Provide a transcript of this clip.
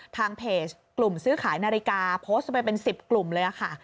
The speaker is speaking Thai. ทางเพจกลุ่มซื้อขายนาฬิกาโพสต์ไปเป็น๑๐กลุ่มเลยค่ะ